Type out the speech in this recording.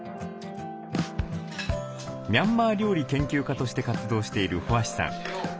ミャンマー料理研究家として活動している保芦さん。